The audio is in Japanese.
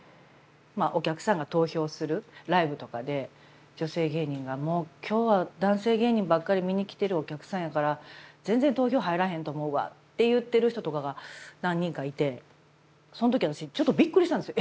お客さんが投票するライブとかで女性芸人がもう今日は男性芸人ばっかり見に来てるお客さんやから全然投票入らへんと思うわって言ってる人とかが何人かいてその時私ちょっとびっくりしたんですよ。